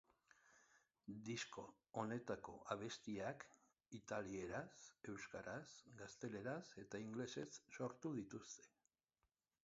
Disko honetako abestiak italieraz, euskaraz, gazteleraz eta ingelesez sortu dituzte.